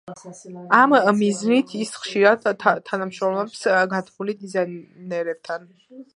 ამ მიზნით იხ ხშირად თანამშრომლობს განთქმულ დიზაინერებთან.